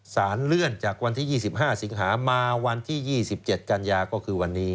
สารเลื่อนจากวันที่๒๕สิงหามาวันที่๒๗กันยาก็คือวันนี้